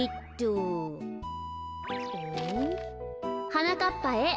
「はなかっぱへ。